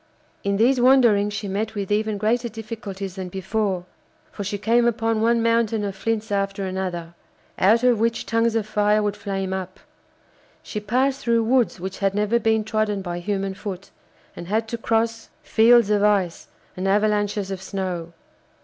In these wanderings she met with even greater difficulties than before, for she came upon one mountain of flints after another, out of which tongues of fire would flame up; she passed through woods which had never been trodden by human foot, and had to cross fields of ice and avalanches of snow.